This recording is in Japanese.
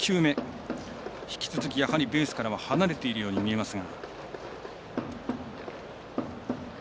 引き続き、ベースからは離れているように見えます。